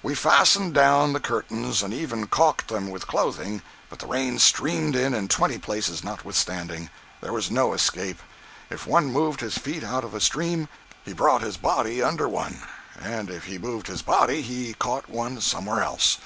We fastened down the curtains and even caulked them with clothing, but the rain streamed in in twenty places, nothwithstanding. There was no escape. If one moved his feet out of a stream, he brought his body under one; and if he moved his body he caught one somewhere else.